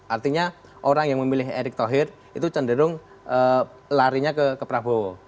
artinya orang yang memilih erick thohir itu cenderung larinya ke prabowo